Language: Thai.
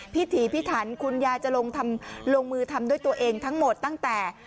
ถีพิถันคุณยายจะลงมือทำด้วยตัวเองทั้งหมดตั้งแต่